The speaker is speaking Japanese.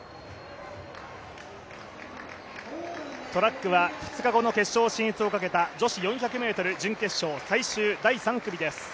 トラックは２日後の決勝進出をかけた女子４００ｍ準決勝最終第３組です。